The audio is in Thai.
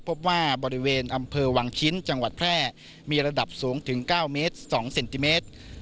พบว่าบริเวณอำเภอวังชิ้นจังหวัดแพร่มีระดับสูงถึง๙เมตร๒เซนติเมตร